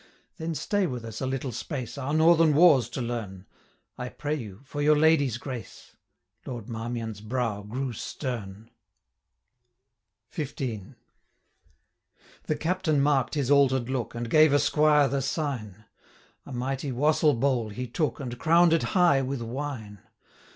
Then stay with us a little space, 225 Our northern wars to learn; I pray you, for your lady's grace!' Lord Marmion's brow grew stern. XV. The Captain mark'd his alter'd look, And gave a squire the sign; 230 A mighty wassell bowl he took, And crown'd it high with wine.